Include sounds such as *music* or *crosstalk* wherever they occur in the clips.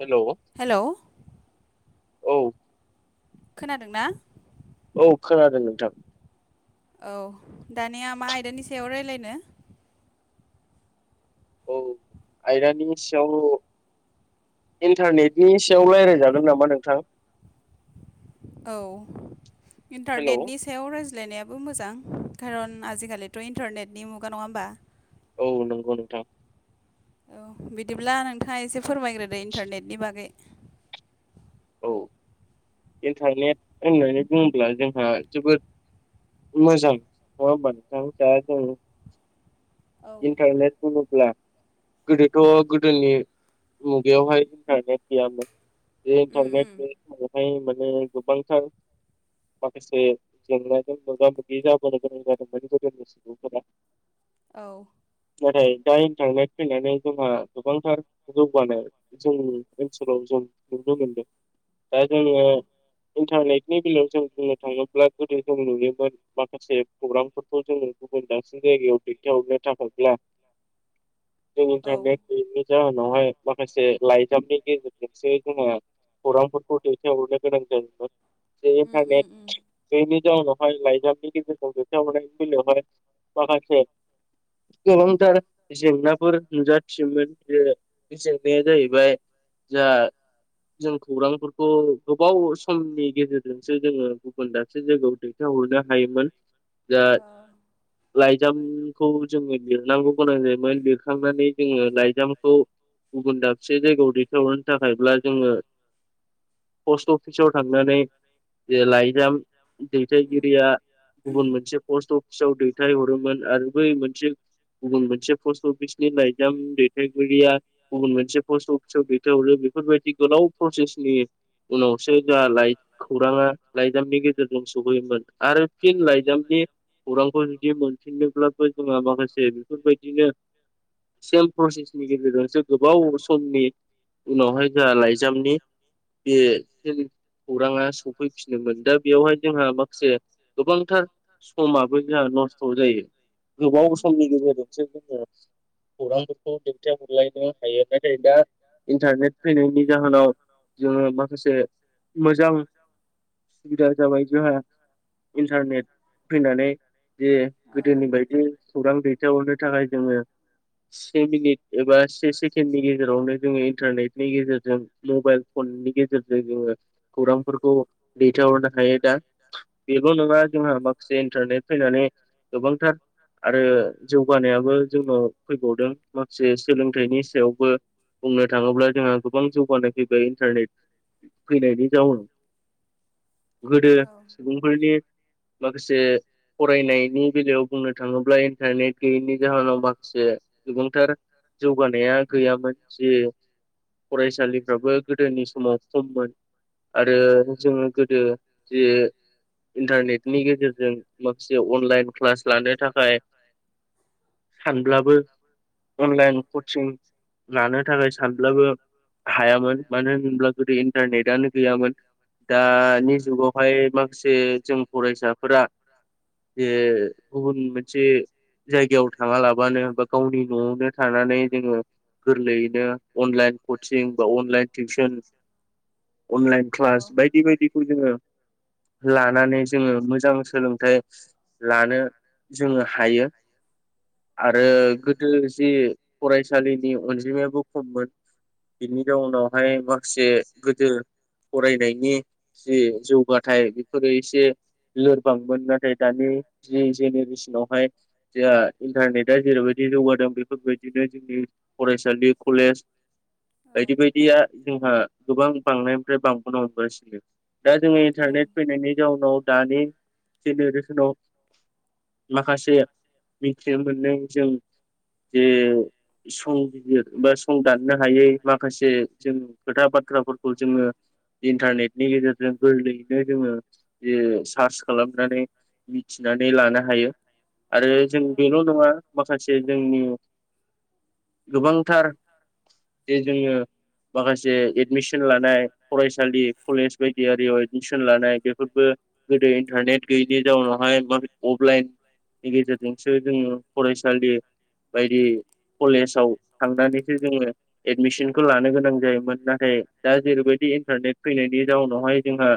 Hello hello औ। खोनादोंना? औ खोनादों नोंथां। औ दानिया मा आयदानि सायाव रायलायनो? औ आयरानि सायाव इन्टारनेटनि सायाव रायलायजागोन नामा नोंथां? औ हेलौ इन्टारनेटनि सायाव रायज्लायनायाबो मोजांष खारन आजिखालिथ' इन्टारनेटनि मुगा नङा होमबा? औ नंगौ नोंथां। औ बिदिब्ला नोंथाङा एसे फोरमायग्रोदो इन्टारनेटनि बागै। औ। जों थांनाया होननानै बुङोब्ला जोंहा जोबोद मोजां नङा होमबा नोंथां? दा जों औ इन्टारनेट होनोब्ला गोदोथ' गोदोनि मुगायावहाय इन्टारनेट गैयामोन। बे उम इन्टारनेट उम *unintelligible* मोनो गोबांथार माखासे जेंनाजों मोगा मोगि जाबोनो गोनां जादोंमोन *unintelligible* *unintelligible* औ। नाथाय दा इन्टारनेट फैनानै जोंहा गोबांथार जौगानो जों ओनसोलाव जों नुनो मोनदों। दा जोङो औ इन्टारनेटनि बेलायाव जों बुंनो थाङोब्ला गोदो जों नुयोमोन माखासे प्रग्रामफोरखौ जोङो गुबुन दाबसे जायगायाव दैथायहरनो थाखायब्ला *inaudible* जों औ इन्टारनेट नेटनि जाहोनावहाय माखासे लाइजामनि गेजेरजोंसो जोङो खौरांफोर खौ दैथायहरनो गोनां जायोमोन। जे उम उम उम इन्टारनेट बेनि जाउनावहाय लाइजामनि गेजेरजों दैथायहरनाय बेलायावहाय माखासे गोबांथार जेंनाफोर नुजाथियोमोन। जे बे जेंनाया जाहैबाय जा जों खौरांफोर खौ गोबाव समनि गेजेरजोंसो जोङो गुबुन दाबसे जायगायाव दैथायहरनो हायोमोन। जा औ लाइजामखौ जोङो लिरनांगौ गोनां जायोमोन। लिरखांनानै जोङो लाइजामखौ गुबुन दाबसे जायगायाव *unintelligible* सौहरनो थाखायब्ला जोङो पस्ट अफिसाव थांनानै जे लाइजाम उम दैथायगिरिया गुबुन मोनसे पस्ट अफ *unintelligible* दैथाय हरोमोन आरो बै मोनसे गुबुन मोनसे मोनसे पस्ट अफिसनि लाइजाम दैथायगिरिया गुबुन मोनसे पस्ट अफिसाव दैथायहरो। बेफोरबायदि गोलाव प्रसेसनि उनावसो जा लाय खौराङा लाइजामनि गेजेरजों सहैयोमोन आरो फिन लाइजामनि खौरांखौ जुदि मोनफिनोब्लाबो जोंहा माखासे बेफोरबायदिनो *unintelligible* प्रसेसनि गेजेरजोंसो गोबाव समनि उनावहाय जा लाइजामनि *unintelligible* खौराङा सफैफिनोमोन दा बेयावहाय जोंहा माखासे गोबांथार समाबो जोंहा नस्थ' जायो। गोबाव उम औ समनि गेजेरजोंसो जोङो खौरांफोरखौ दैथाय हरलायनो हायो नाथाय दा इन्टारनेट फैनायनि जाहोनाव जोङो माखासे मोजां सुबिदा जाबाय जोंहा इन्टारनेट फैनानै जे गोदोनि बायदि खौरां दैथायहरनो थाखाय जोङो से मिनिट एबा से सेकेणडनि गेजेराव जेरावनो जोङो इन्टारनेटनि गेजेरजों मबाइल फननि गेजेरजों जोङो खौरांफोरखौ दैथायहरनो हायो दा। बेल' नङा जोंहा माखासे इन्टारनेट फैनानै गोबांथार आरो जौगानायाबो जोंनाव फैबावदों माखासे सोलोंथाइनि सायावबो बुंनो थाङोब्ला जोंहा गोबां जौगानायनि बे इन्टारनेट फैनायनि जाउन गोदो सुबुं -फोरनि माखासे फरायनायनि बेलायाव बुंनो थाङोब्ला इन्टारनेट गैयैनि जाहोनाव माखासे गोबांथार जौगानाया गैयामोन जे फरायसालिफ्राबो गोदोनि समाव खममोन आरो जोङो गोदो जे इन्टारनेटनि गेजेरजों माखासे अनलाइन क्लास लानो थाखाय सानब्लाबो *unintelligible* अनलाइन कचिं लानो थाखाय सानब्लाबो हाया। मानो होनब्ला गोदो इन्टारनेटनो गैयामोन। दानि जुगावहाय माखासे जों फरायसाफोरा जे गुबुन मोनसे जायगायाव थाङा लाबानो बा गावनि न'आवनो थानानै जोङो गोरलैयैनो अनलाइन कचिं बा अनलाइन तियसन अनलाइन औ क्लास बायदि बायदिखौ जोङो *unintelligible* लानानै जोङो मोजां सोलोंथाइ लानो जोङो हायो। आरो औ औ गोदो जि फरायसालिनि अनजिमायाबो खममोन बिनि जाउनावहाय माखासे गोदो फरायनायनि जि जौगाथाइ बेफोरो एसे लोरबांमोन नाथाय दानि जि जेनेरेसनावहाय जोंहा इन्टारनेटआ जेरैबायदि जौगादों बेफोरबायदिनो जोंनि फरायसालि, कलेज औ बायदि बायदिया जोंहा गोबां बांनायनिफ्राय बांबोनो हमगासिनो। दा जोङो औ इन्टारनेट फैनायनि जाउनाव दानि जेनेरेसनाव माखासे मिथिनो मोननाय जों जे संबिजिर बा संदाननो हायै माखासे जों खोथा बाथ्राफोरखौ जोङो इन्टारनेटनि गेजेरजों गोरलैयैनो जोङो जे सार्च खालामनानै मिथिनानै लानो हायो आरो जों औ बेल' नङा माखासे जोंनि गोबांथार जे जोङो माखासे एडमिसन लानाय फरायसालि कलेज बायदियारियाव एडमिसन लानाय बेफोरबो गोदो इन्टारनेट गैयैनि जाउनावहाय माख अफलाइन नि गेजेरजोंसो जोङो फरायसालि बायदि कलेजाव थांनानैसो जोङो एडमिसोन खौ लानो गोनां जायोमोन नाथाय दा जेरैबायदि इन्टारनेट फैनायनि जाउनावहाय जोंहा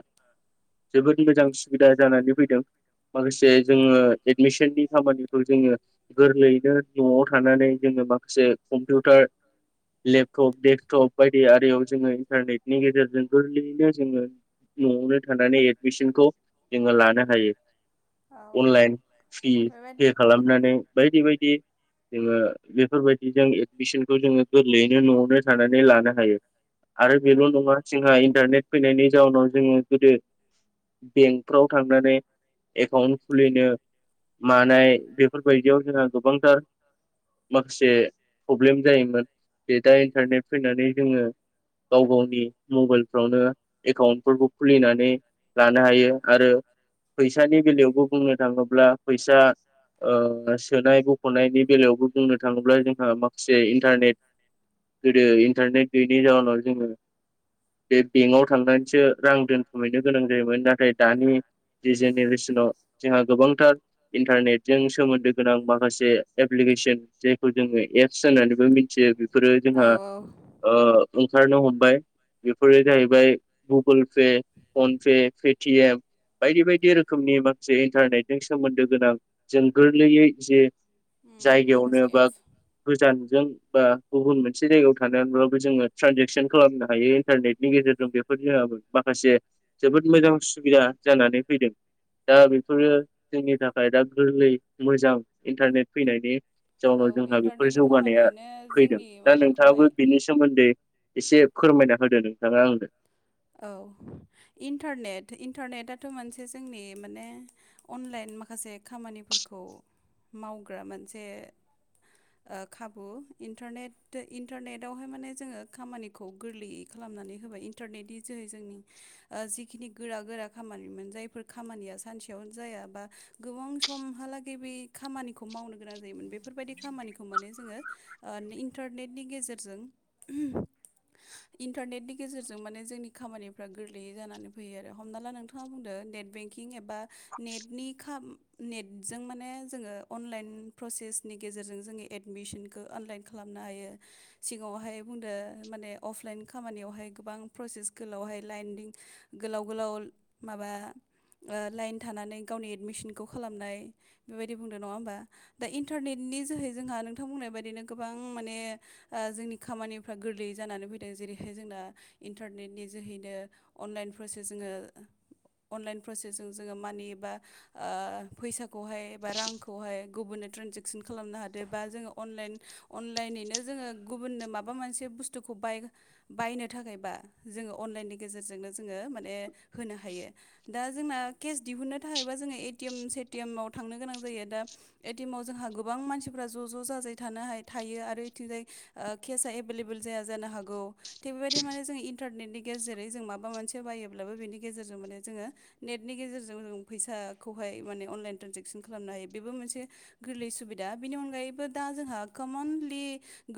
जोबोद मोजां सुबिदा जानानै फैदों माखासे जोङो एडमिसननि खामानिखौ जोङो गोरलैयैनो न'आव थानानै जोङो माखासे कम्पिउटार लेब टप डेक्सटप बायदि आरियाव जोङो इन्टारनेटनि गेजेरजों गोरलैयैनो जोङो न'आवनो थानानै एडमिसनखौ जोङो लान नो हायो औ अनलाइन सिकि बेबायदि पे खालामनानै बायदि बायदि जोङो बेफोरबायदि जों एडमिसनखौ जोङो गोरलैयैनो न'आव नो थानानै लानो हायो आरो बेल' ओं नङा जोंहा इन्टारनेट फैनायनि जाउनाव जोङो गोदो बेंकफ्राव थांनानै एकाउन्ट खुलिनो मानाय बेफोर बेबायदियाव जोंहा गोबांथार माखासे प्रब्लेम जायोमोन बे दाय इनतारनेत फैनानै जोङो गाव गावनि मबाइलफ्रावनो एकाउन्टफोरखौ खुलिनानै लानो हायो आरो फैसानि बेलायावबो बुंनो थाङोब्ला फैसा ओ सोनायबो बखनायनि बेलायावबो बुंनो थाङोब्ला जोंहा माखासे इन्टारनेट गोदो इन्टारनेट गैयैनि जाउनाव जोङो बे बेंकआव थांनानैसो रां दोनथुमहैनो गोनां जायोमोन नाथाय दानि जि जेनेरेसनाव जोंहा गोबांथार इन्टारनेटजों सोमोन्दो गोनां माखासे एप्लिकेसन जायखौ जोङो एप्स होननानैबो मिथियो बेफोरो औ जोंहा औ ओ ओंखारनो हमबाय बेफोरो जाहैबाय गुगोल पे फनपे पेटिएम बायदि बायदि रोखोमनि माखासे इन्टारनेटजों सोमोन्दो गोनां जों गोरलैयै जे उम जायगायावनो माखासे बा एप गोजानजों बा गुबुन मोनसे जायगायाव थानानैब्लाबो जोङो ट्रेनजेकसन खालामनो हायो इन्टारनेटनि गेजेरजों बे फोर जोंआबो माखासे जोबोद मोजां सुबिदा जानानै फैदों दा बेफोरो जोंनि थाखाय दा गोरलै मोजां इन्टारनेट फैनायनि औ जाउनाव जोंहा बेफोर इन्टारनेटनि जौगानाया खामानियानो जोंनि माबाखौहाय नि सोमोन्दै एसे फोरमायना होदो नोंथाङा आंनो औ इन्टारनेट इन्टारनेटथ' मोनसे जोंनि माने अनलाइन माखासे खामानिफोरखौ मावग्रा मोनसे ओ खाबु इनटारनेत इन्टारनेटावहाय माने जोङो खामानि खौ गोरलैयै खालामनानै होबाय इन्टारनेटनि जोहै जोंनि ओ जिखिनि गोरा गोरा खामानिमोन जायफोर खामानिया सानसेयावनो जाया बा गोबां समहालागै बे खामानिखौ मावनो गोनां जायोमोन बेफोरबायदि खामानिखौ माने जोङो ओ इन्टारनेटनि गेजेरजों इन्टारनेटनि गेजेरजों माने जोंनि खामानिफ्रा गोरलैयै जानानै फैयो आरो हमना ला नोंथाङा बुंदों नेट बेंकिं एबा नेटनि खा नेटजों माने जोङो अनलाइन प्रसेसनि गेजेरजों जोङो एडमिसनखौ अनलाइन खालामनो हायो सिगाङावहाय बुंदो माने अफलाइन खामानियावहाय गोबां प्रसेस गोलावहाय लाइनदिं गोलाव गोलाव माबा ओ लाइन थानानै गावनि एडमिसनखौ खालामनाय बेबायदि बुंदों नङा होमबा दा इन्टारनेटनि जोहै जोंहा नोंथां बुंनाय बायदिनो गोबां माने ओ जोंनि खामानिफ्रा गोरलैयै जानानै फैदों जेरैहाय जोंना इन्टारनेटनि जोहैनो अनलाइन प्रसेस जोङो अनलाइन प्रसेसजों जोङो मानि एबा ओ फैसाखौहाय बा रांखौहाय गुबुननो ट्रेनजेकसन खालामनो हादों बा जोङो अनलाइन अनलाइनैनो जोङो गुबुननो माबा मोनसे बुस्थुखौ बाय बायनो थाखायबा जोङो अनलाइननि गेजेरजोंनो जोङो माने होनो हायो दा जोंना केस दिहुननो थाखायबा जोङो एटिएम सेटिएम आव थांनो गोनां जायो दा एटिएमाव जोंहा गोबां मानसिफ्रा ज' ज' जाजाय थानो हा थायो आरो इथिंजाय ओ केसआ एभेलेबोेल जाया जानो हागौ थिग बेबायदि माने जों इन- न्टारनेटनि गेजेरै जों माबा मोनसे बायोब्लाबो बिनि गेजेरजों माने जोङो नेटनि गेजेरजों जों फैसाखौहाय माने अनलाइन ट्रन्जेकसन खालामनो हायो बेबो मोनसे गोरलै सुबिदा बिनि अनगायैबो दा जोंहा कमनलि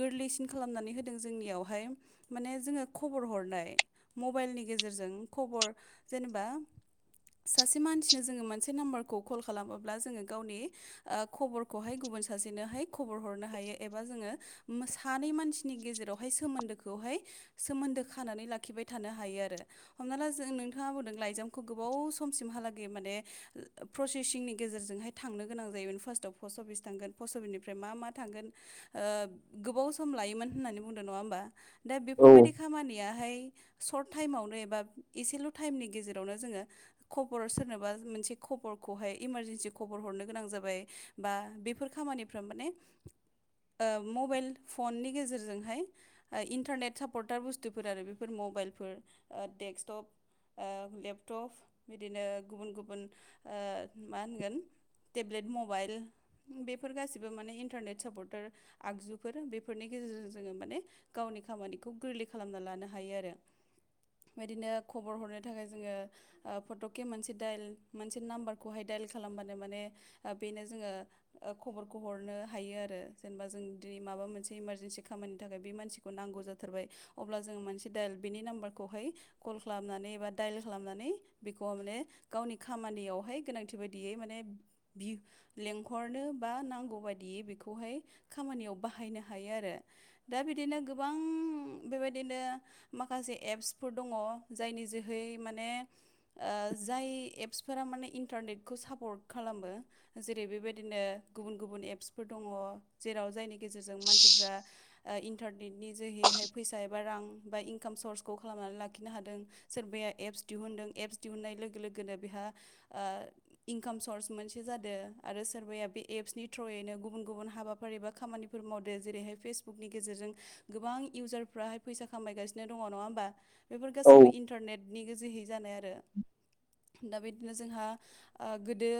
गोरलैसिन खालामनानै होदों जोंनिआवहाय माने जोङो खबर हर नाय मबाइलनि गेजेरजों खबर जेनेबा सासे मानसिनो जोङो मोनसे नाम्बारखौ कल खालामोब्ला जोङो गावनि ओ खबरखौहाय गुबुन सासेनोहाय खबर हरनो हायो एबा जोङो सानै मानसिनि गेजेरावहाय सोमोन्दोखौहाय सोन्दो खानानै लाखिबाय थानो हायो आरो हमना ला जों नोंथाङा बुंदों लाइजामखौ गोबाव समसिमहालागै माने प्रसेसिंनि गेजेरजोंहाय थांनो गोनां जायोमोन फार्स्टआव पस्ट अफिस थांगोन पस्ट अफिसनिफ्राय मा मा थांगोन ओ गोबाव सम लायोमोन होननानै बुंदों नङा होमबा दा औ बेफोरबायदि खामानि याहाय सर्ट टाइमावनो एबा एसेल' टाइमनि गेजेरावनो जोङो खबर सोरनोबा मोनसे खबरखौहाय इमारजेन्सि खबर हरनो गोनां जाबाय बा बेफोर खामानिफ्रा माने ओ मबाइल फननि गेजेरजोंहाय इन्टारनेट सापर्टार बुस थुफोर आरो बेफोर मबाइलफोर ओ डेक्सटप ओ लेपटप बिदिनो गुबुन गुबुन ओ मा होनगोन टेब्लेट मबाइल बेफोर गासिबो माने इन्टारनेट सापर्टार आगजुफोर बेफोरनि गेजेरजों जोङो माने गावनि खामानिखौ गोरलै खालामना लानो हायो आरो बेदिनो खबर हरनो थाखाय जोङो फट'के मोनसे दाइल मोनसे नाम्बारखौहाय दाइल खालामबानो माने बेनो जोङो ओ खबरखौ हरनो हायो आरो जेनेबा जों दिनै माबा मोनसे इमारजेन्सि खामानि थाखाय बे मानसि खौ नांगौ जाथारबाय अब्ला जोङो मोनसे दाइल बेनि नाम्बारखौहाय कल खालामनानै एबा दाइल खालामनानै बेखौ माने गावनि खामानियावहाय गोनांथि बायदियै माने बि लेंंहरनो बा दा बिदिनो गोबां बेबायदिनो माखासे एप्सफोर दङ जायनि जोहै माने ओ जाय एप्सफोरा माने इन्टारनेटखौ सापर्ट खालामो जेरै बेबायदिनो गुबुन गुबुन एप्सफोर दङ जेराव जायनि गेजेरजों मानसिफ्रा ओ इन्टारनेटनि जोहैहाय फैसा एबा रां बा इनकाम सर्सखौ खालामनानै लाखिनो हादों सोरबाया एप्स दिहुनदों एप्स दिहुननाय लोगो लोगोनो बेहा ओ इनकाम सर्स मोनसे जादो आरो सोरबाया बे एपसनि थ्रुयैनो गुबुन गुबुन हाबाफारि एबा खामानि फोर मावदो जेरैहाय फेसबुकनि गेजेरजों गोबां इउजार फ्राहाय फैसा खामायगासिनो दङ नङा होमबा बेफोर औ गासैबो इन्टारनेटनि गोजोहै जानाय आरो दा बिदिनो जोंहा ओ गोदो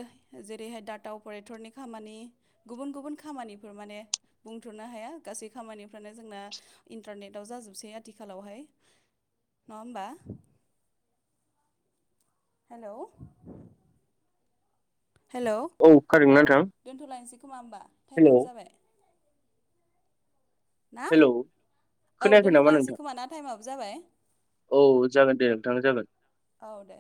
जेरैहाय डाटा अपारेटरनि खामानि गुबुन गुबुन खामानिफोर माने बुंथ'नो हाया गासै खामानिफ्रानो जोंना इन्टारनेट दाव जाजोबसै आथिखालावहाय नङा होमबा? हेल'। हेलौ खोनादोंना औ नोंथां दोन्थ'लायसै खोमा होमबा हेलौ टाइमाबो जाबाय? ना हेल' औ खोनायाखै नामा दोनथ'लायनोसै नोंथां खोमा ना टाइमाबो जाबाय औ जागोन दे नोंथां जागोन। औ दे।